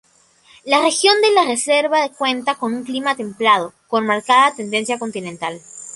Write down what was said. La región de la Reserva cuenta con un clima templado con marcada tendencia continental.